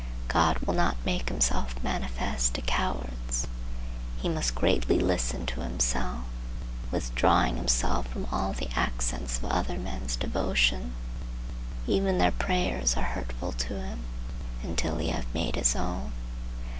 God will not make himself manifest to cowards. He must greatly listen to himself, withdrawing himself from all the accents of other men's devotion. Even their prayers are hurtful to him, until he have made his own.